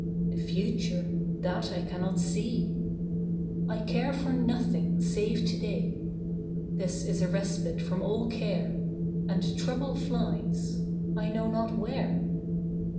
The future that I cannot see! I care for nothing save to day This is a respite from all care, And trouble flies I know not where.